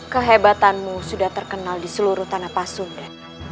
kehebatanmu sudah terkenal di seluruh tanah pasundra